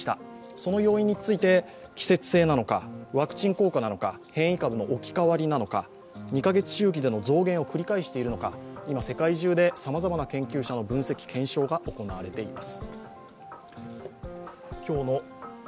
その要因について、季節性なのかワクチン効果なのか変異株の置き換わりなのか２カ月周期での増減を繰り返しているのか今、世界中でさまざまな研究者の分析・検証が行われています。